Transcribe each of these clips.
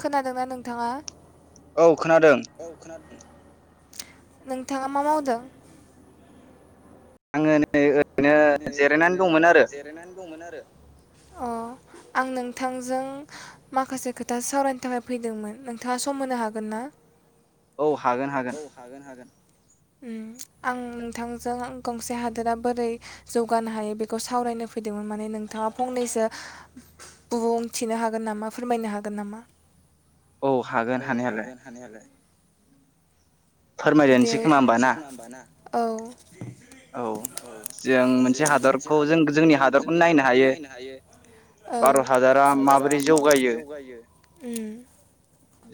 खोनादोंना नोंथाङा? औ खोनादों । नोंथाङा मा मावदों? आङो आङो नै ओरैनो जिरायनानै दंमोन आरो अ आं नोंथांजों माखासे खोथा सावरायनो थाखाय फैदोंमोन नोंथाङा सम होनो हागोन ना औ औ हागोन हागोन आं नोंथांजों गंसे हादोरा बोरै जौगानो हायो बेखौ सावरायनो फैदोंमोन माने नोंथाङा फंनैसो बुंथिनो हागोन नामा फोरमायनो हागोन नामा औ हागोन हानायालाय दे [inaudible] औ औ जों मोनसे हादरखौ जों जोंनि हादरखौनो नायनो हायो भारत हादरा माबोरै जौगायो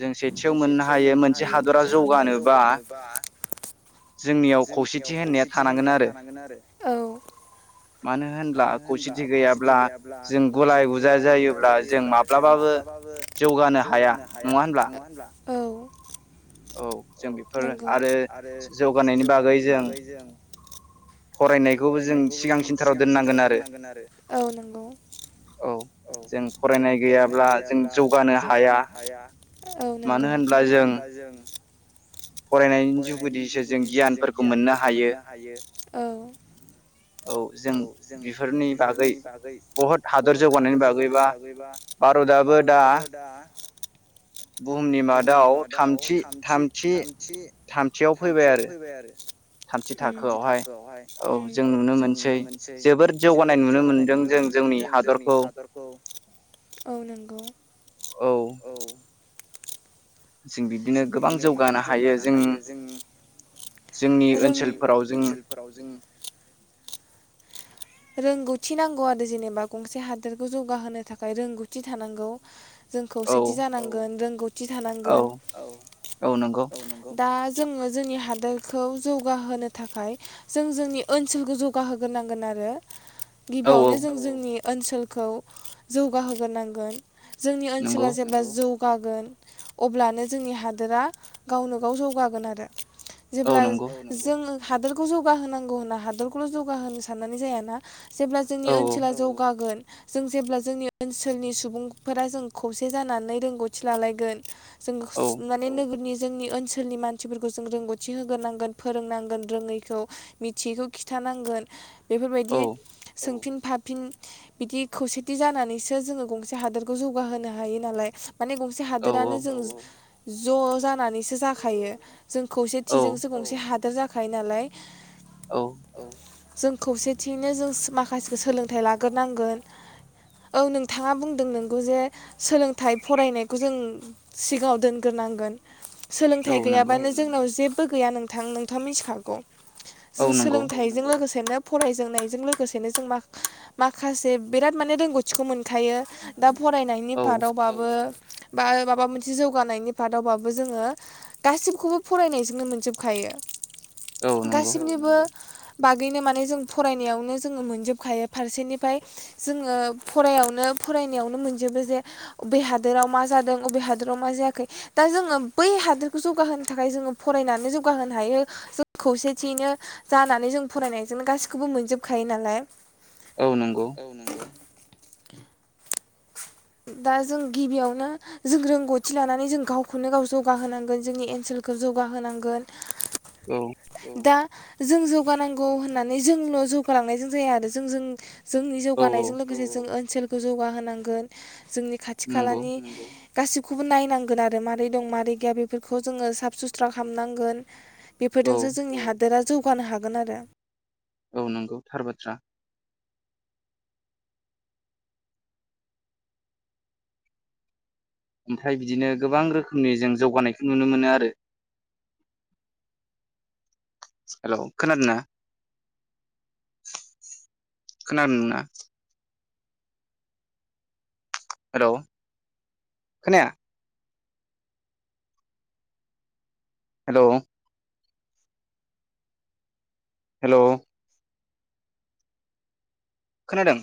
जों सेथियाव मोननो हायो मोनसे हादरा जौगानोबा जोंनियाव खौसेथि होननाया खौसेथि होननाया थानांगोन आरो औ मानो होनब्ला खौसेथि गैयाब्ला जों गलाय गुजाय जायोब्ला जों माब्लाबाबो जौगानो हाया नंङा होनब्ला औ औ जों नंगौ आरो जौगानायनि बागै जों फरायनायखौबो जों सिगां सिनटाराव दोननांगोन आरो औ नंगौ औ जों फरायनाय गैयाब्ला जों जौगानो हाया औ नंगौ मानो होनब्ला जों फरायनायनि जुगैदिसो जों गियानफोरखौ मोननो हायो औ औ जों बेफोरनि बागै बहुत हादर जौगानायनि बागैबा भारतआबो दा बुहुमनि मादाव थामथि थामथि थामथियाव फैबाय आरो थामथि थाखोआवहाय ओम जों नुनो मोनसै जबोद जौगानाय नुनो मोनदों जों जोंनि हादरखौ औ नंगौ औ जों बिदिनो गोबां जौगानो हायो जों जों ओनसोलफोराव जों रोंगौथि नांगौ आरो जेनेबा गंसे हादोरखौ जौगाहोनो थाखाय रोंगौथि थानांगौ जों खौसेथि जानांगोन रोंगौथि थानांगोन औ - औ नंगौ दा जोंङो जोंनि हादोरखौ जौगाहोनो थाखाय जों जोंनि ओनसोलखौ जौगाहोग्रोनांगोन आरो गिबियावनो जों जोंनि ओनसोलखौ जौगाहोग्रोनांगोन जोंनि ओनसोलाव जेब्ला जौ जौगागोन अब्लानो जोंनि हादोरा गावनो गाव जौगागोन आरो जेब्ला जों हादोरखौ जौगाहोनांगौ होनना हादोरखौल जौगाहोनो साननानै जायाना जेब्ला जोंनि ओनसोला जौगागोन जों जेब्ला जोंनि ओनसोलनि सुबुंफोरा जों खौसे जानानै रोंगौथि लालायगोन जों माने नोगोरनि जोंनि ओनसोलनि मानसिफोरखौ जों रोंगौथि होग्रोनांगोन फोरोंनांगोन रोङैखौ मिथियैखौ खिथानांगोन। बेफोरबायदि सोंफिन फाफिन बिदि खौसेथि जानानैसो जोङो गंसे हादोरखौ जौगाहोनो हायो नालाय। माने गंसे हादोरानो जों ज' जानानैसो जाखायो। जों खौसेथिजोंसो गंसे हाद दोर जाखायो नालाय। औ। जों खौसेथि यैनो जों माखासेखौ सोलोंथाइ लाग्रोनांगोन औ नोंथाङा बुंदों नोंगौ जे सोलोंथाइ फरायनायखौ जों सिगाङाव दोनग्रोनांगोन। सोलोंथाइ गैयाबानो जोंनाव जेब बो गैया नोंथां नोंथाङा मिथिखागौ। जों सोलोंथाइजों लोगोसे सेनो फरायज जोंनाय जों लोगोसेनो जों माख-माखासे बिराद माने रोंगौथिखौ मोनखायो दा फरायनायनि फादावबाबो बा माबा मोनसे जौगानायनि फादावबाबो जोङो गासिबखौबो फरायनायजोंनो मोनजोबखायो। गासिबनिबो बागैनो माने जों ‌ फरायनायावनो जोङो मोनजोबखायो फारसेनिफाय, जोङो फरायावनो फरायनायावनो मोनजोबो जे अबे हादोराव मा जादों अबे हादोराव मा जायाखै दा जोङो बै हादोरखौ जौगाहोनो थाखाय जोङो फरायनानै जौगाहोनो हायो। जों खौसेथियैनो जानानै जों फरायनायजोंनो गासि खौबो मोनजोबखायो नालाय औ नंगौ। [inaudible] दा जों गिबियावनो जों रोंगौथि लानानै जों गावखौनो गाव जौगा होनांगोन जोंनि एनसोलखो जौगा होनांगोन। औ। दा जों जौगानांगौ होननानै जोंल' जौगालांनायजों जाया आरो जोंजों जोंनि जौगानायजों लोगोसे जों ओनसोलखौ जौगाहो नांगोन। जोंनि खाथि खालानि गासैखौबो नायनां गोन आरो मारै दं मारै गैया बेफोरखो जोङो साफ सुस्रा खामनांगोन। बेफोरदोंसो जोंनि हादोरा जौगानो हागोन आरो। औ नंगौ थार बाथ्रा। ओमफाय बिदिनो गोबां रोखोमनि जों जौगानायखौ नुनो मोनो आरो हेलौ खोनादों ना? खोनादों ना? हेलौ' खोनाया? हेल'। हेल' खोनादों?